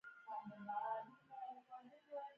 ایا زه باید مشوره ورکړم؟